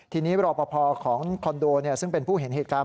ทีนี้รอปภของคอนโดซึ่งเป็นผู้เห็นเหตุการณ์